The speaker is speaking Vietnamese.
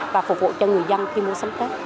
và phục vụ cho người dân khi mua sắm tết